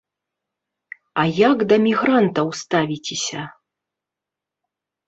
А як да мігрантаў ставіцеся?